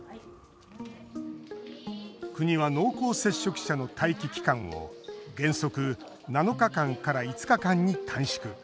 国は濃厚接触者の待機期間を原則７日間から５日間に短縮。